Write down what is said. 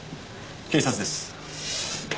警察です。